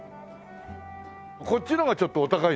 こっちの方がちょっとお高いの？